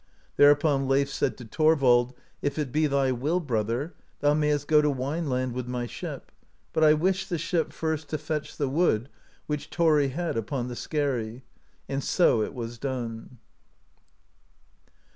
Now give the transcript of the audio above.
There upon Leif said to Thorvald : "If it be thy will, brother, thou mayest go to Wineland with my ship, but I wish the ship first to fetch the wood, which Thori had upon the skerry." And so it was done.